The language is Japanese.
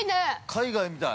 ◆海外みたい。